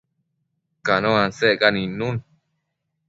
Cano asecca nidnun